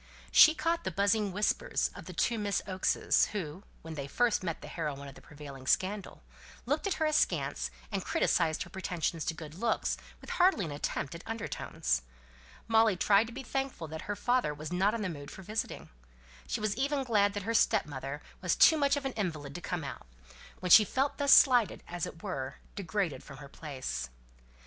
She caught the buzzing whispers of the two Miss Oakes's, who, when they first met the heroine of the prevailing scandal, looked at her askance, and criticised her pretensions to good looks, with hardly an attempt at under tones. Molly tried to be thankful that her father was not in the mood for visiting. She was even glad that her stepmother was too much of an invalid to come out, when she felt thus slighted, and as it were, degraded from her place.